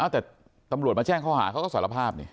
แต่ตำรวจมาแจ้งข้อหาเขาก็สารภาพนี่